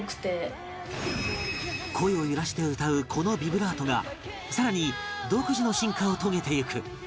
声を揺らして歌うこのビブラートがさらに独自の進化を遂げていく